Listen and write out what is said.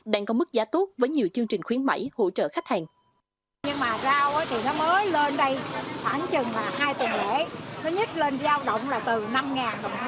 đang có mức giá tốt với nhiều chương trình khuyến mại hỗ trợ khách hàng